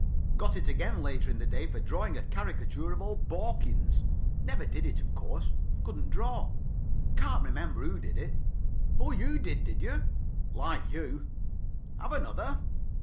Got it again later in the day for drawing a caricature of old Borkins. Never did it, of course. Couldn't draw. Can't remember who did it. Oh, you did, did you? Like you. Have another?